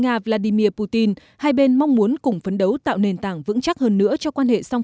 nga vladimir putin hai bên mong muốn cùng phấn đấu tạo nền tảng vững chắc hơn nữa cho quan hệ song